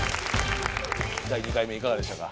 第２回目いかがでしたか？